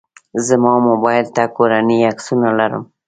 زما موبایل ته کورنۍ عکسونه لرم.